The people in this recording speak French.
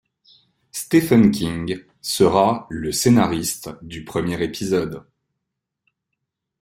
Stephen King sera le scénariste du premier épisode.